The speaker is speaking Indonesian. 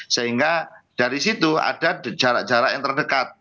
sehingga dari situ ada jarak jarak yang terdekat